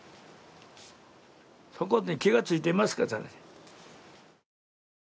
そこに気が付いていますか。